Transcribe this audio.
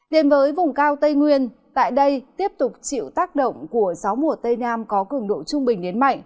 đến với vùng cao tây nguyên tại đây tiếp tục chịu tác động của gió mùa tây nam có cường độ trung bình đến mạnh